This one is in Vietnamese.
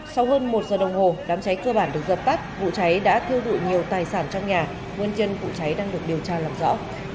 sau hơn một giờ đồng hồ đám cháy cơ bản được dập tắt vụ cháy đã thiêu dụi nhiều tài sản trong nhà nguyên nhân vụ cháy đang được điều tra làm rõ